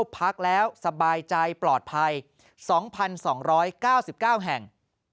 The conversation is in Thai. พักแล้วสบายใจปลอดภัย๒๒๙๙แห่ง